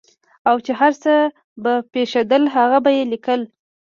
او چې هر څه به پېښېدل هغه به یې لیکل.